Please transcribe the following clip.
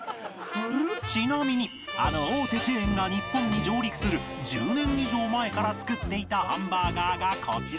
ちなみにあの大手チェーンが日本に上陸する１０年以上前から作っていたハンバーガーがこちら